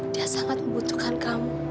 dia sangat membutuhkan kamu